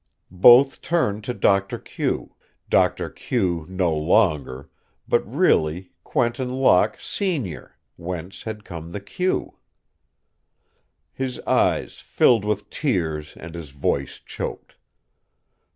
Both turned to Doctor Q Doctor Q no longer, but really Quentin Locke, senior, whence had come the "Q." His eyes filled with tears and his voice choked.